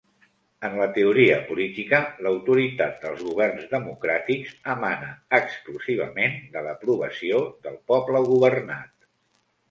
En la teoria política, l'autoritat dels governs democràtics emana exclusivament de l'aprovació del poble governat.